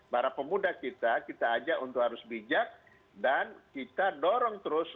para pemuda kita kita ajak untuk harus bijak dan kita dorong terus